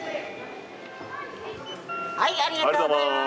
ありがとうございます。